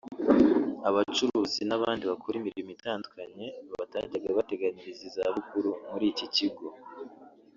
abacuruzi n’abandi bakora imirimo itandukanye batajyaga bateganyiriza izabukuru muri iki kigo